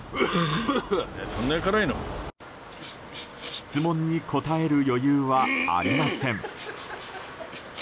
質問に答える余裕はありません。